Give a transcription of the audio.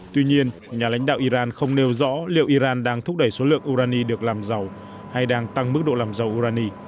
tuy nhiên nhà lãnh đạo iran không nêu rõ liệu iran đang thúc đẩy số lượng urani được làm giàu hay đang tăng mức độ làm dầu urani